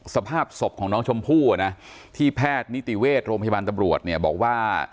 สภาพศพของน้องชมพู่ที่แพทย์นิติเวชโรงพยาบาลตำรวจเนี่ยบอกว่า